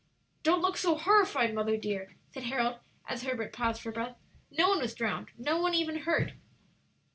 "Don't look so horrified, mother dear," said Harold, as Herbert paused for breath; "no one was drowned, no one even hurt."